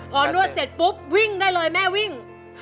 พอนวดเสร็จปุ๊บวิ่งได้เลยแม่วิ่ง